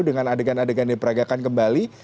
dengan adegan adegan diperagakan kembali